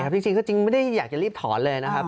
ไม่ใช่ครับจริงไม่ได้อยากจะรีบถอนเลยนะครับ